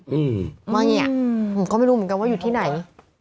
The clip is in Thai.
ว่าอย่างนี้ผมก็ไม่รู้เหมือนกันว่าอยู่ที่ไหน